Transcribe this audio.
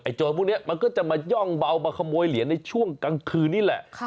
โจรพวกนี้มันก็จะมาย่องเบามาขโมยเหรียญในช่วงกลางคืนนี่แหละ